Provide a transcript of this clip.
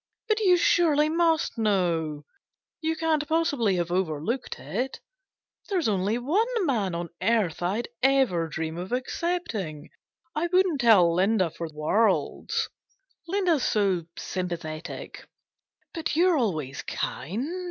... But you surely must know ! You can't possibly Viave overlooked it ! There's only one man on GENERAL PASSAVANT'S WILL. 331 earth I'd ever dream of accepting. ... I wouldn't tell Linda for worlds Linda's so sympathetic. But you're always kind.